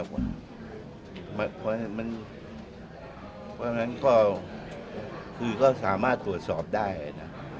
เพราะฉะนั้นควันของคือก็สามารถทรวดสอบได้อ่ะนะ